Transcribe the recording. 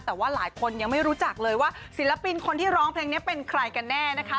แต่ว่าหลายคนยังไม่รู้จักเลยว่าศิลปินคนที่ร้องเพลงนี้เป็นใครกันแน่นะคะ